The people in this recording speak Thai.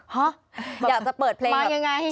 ห๊ะอยากจะเปิดเพลงแบบมาอย่างไร